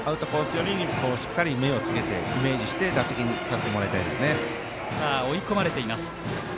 寄りにしっかり目をつけてイメージして打席に立ってもらいたいです。